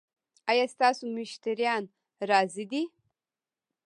ایا ستاسو مشتریان راضي دي؟